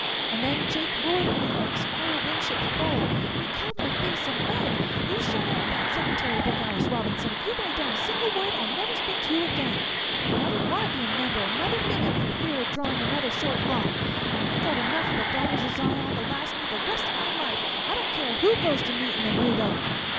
And then Jake roared at me like Squire Winship's bull.... And he called my face a mug.... You shut up that secretary book, Alice Robinson! If you write down a single word I'll never speak to you again.... And I don't want to be a member' another minute for fear of drawing another short lot. I've got enough of the Daughters or Zion to last me the rest o' my life! I don't care who goes to meetin' and who don't."